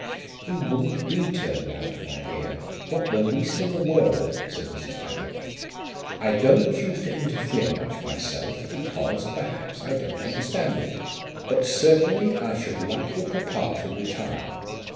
"He wouldn't be turned out, my dear; not the least in the world," said Mrs. Tappitt. "I don't choose to interfere much myself because, perhaps, I don't understand it; but certainly I should like your papa to retire.